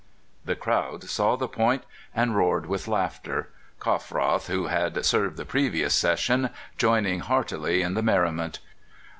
" The crowd saw the point, and roared with laughter, Coffroth, who had served the previous session, joining heartily in the merriment.